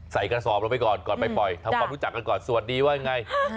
กระสอบลงไปก่อนก่อนไปปล่อยทำความรู้จักกันก่อนสวัสดีว่ายังไง